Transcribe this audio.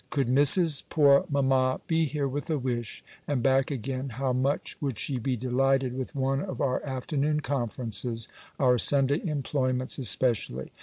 Could Miss's poor mamma be here with a wish, and back again, how much would she be delighted with one of our afternoon conferences; our Sunday employments especially!